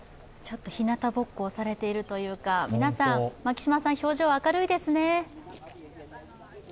ひなたぼっこをされているというか、皆さん表情明るいですね？